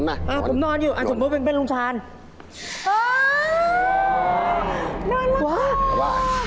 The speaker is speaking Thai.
นั่นแหละครับ